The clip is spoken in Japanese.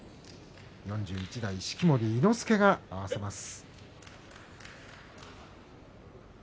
式守伊之助が合わせます。